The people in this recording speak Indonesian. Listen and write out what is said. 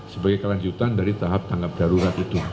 sebagai kelanjutan dari tahap tanggap darurat itu